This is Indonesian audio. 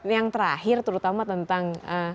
yang terakhir terutama tentang